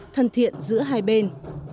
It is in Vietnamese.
thân thiện giữa hai bên